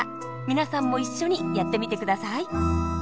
皆さんも一緒にやってみて下さい。